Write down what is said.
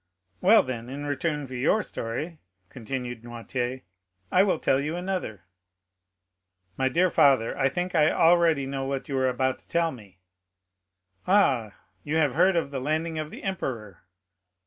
"Well, then, in return for your story," continued Noirtier, "I will tell you another." "My dear father, I think I already know what you are about to tell me." "Ah, you have heard of the landing of the emperor?"